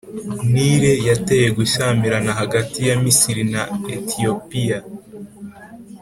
Nile yateye gushyamirana hagati ya Misiri na Etiyopiya